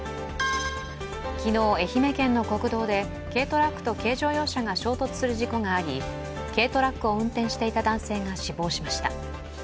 昨日、愛媛県の国道で軽トラックと軽乗用車が衝突する事故があり軽トラックを運転していた男性が死亡しました。